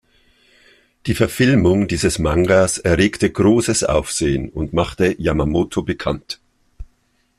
Die Verfilmung dieses Mangas erregte großes Aufsehen und machte Yamamoto bekannt.